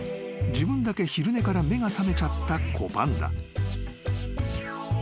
［自分だけ昼寝から目が覚めちゃった子パンダ］